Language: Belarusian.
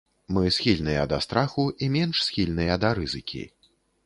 Мы схільныя да страху і менш схільныя да рызыкі.